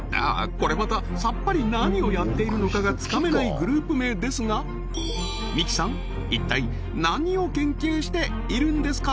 これまたさっぱり何をやっているのかがつかめないグループ名ですが三木さん一体何を研究しているんですか？